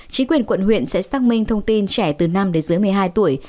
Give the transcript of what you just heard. chính quyền quận huyện sẽ xác minh thông tin trẻ từ năm đến dưới một mươi hai tuổi